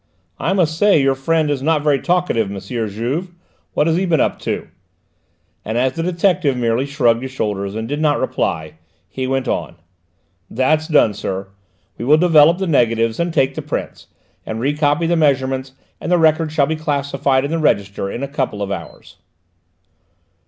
"I must say your friend is not very talkative, M. Juve. What has he been up to?" and as the detective merely shrugged his shoulders and did not reply, he went on: "That's done, sir. We will develop the negatives and take the prints, and recopy the measurements, and the record shall be classified in the register in a couple of hours."